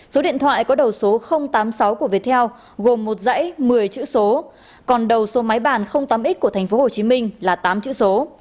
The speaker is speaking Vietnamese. số điện thoại có đầu số tám mươi sáu của viettel gồm một dãy một mươi chữ số còn đầu số máy bàn tám x của thành phố hồ chí minh là tám chữ số